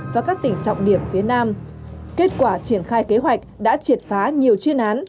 và các tỉnh trọng điểm phía nam kết quả triển khai kế hoạch đã triệt phá nhiều chuyên án